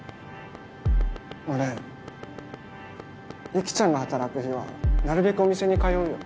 俺雪ちゃんが働く日はなるべくお店に通うよ。